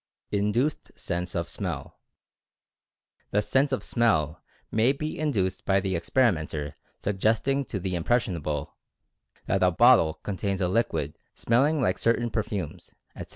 INDUCED SENSE OF SMELL. The sense of Smell may be induced by the experi menter suggesting to the "impressionable" that a bot tle contains a liquid smelling like certain perfumes, etc.